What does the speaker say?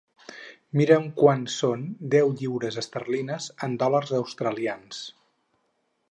Mira'm quant són deu lliures esterlines en dòlars australians.